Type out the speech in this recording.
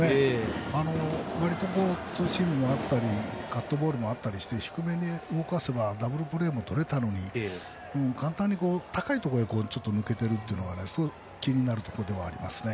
わりとツーシームもあったりカットボールもあったりして低めに動かせばダブルプレーもとれたのに簡単に高いところに抜けているのが気になるところではあります。